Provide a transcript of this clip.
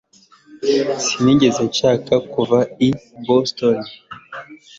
Sinigeze nshaka kuva i Boston